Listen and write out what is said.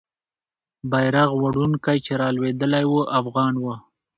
بیرغ وړونکی چې رالوېدلی وو، افغان وو.